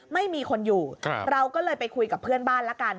ไม่มีคนอยู่เราก็เลยไปคุยกับเพื่อนบ้านละกัน